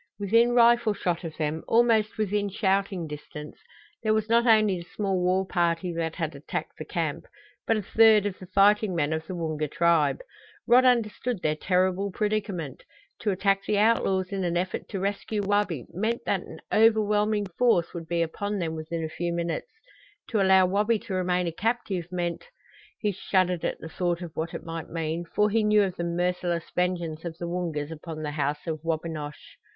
Within rifle shot of them, almost within shouting distance, there was not only the small war party that had attacked the camp, but a third of the fighting men of the Woonga tribe! Rod understood their terrible predicament. To attack the outlaws in an effort to rescue Wabi meant that an overwhelming force would be upon them within a few minutes; to allow Wabi to remain a captive meant he shuddered at the thought of what it might mean, for he knew of the merciless vengeance of the Woongas upon the House of Wabinosh.